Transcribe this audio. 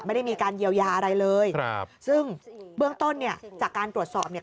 ไม่ได้มีการเยียวยาอะไรเลยครับซึ่งเบื้องต้นเนี่ยจากการตรวจสอบเนี่ย